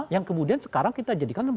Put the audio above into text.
yang kemudian sekarang kita jadikan